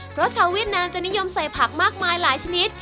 เพราะชาวเวียดนามจะนิยมใส่ผักมากมายหลายชนิด